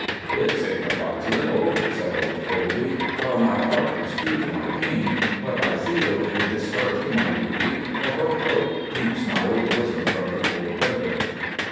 '" "'It signifies little,' said old Coleby, 'while my heart is true to my King, what I feel in discharging my duty, or what coat keeps my old bosom from the cold weather.